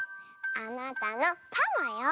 あなたのパマよ。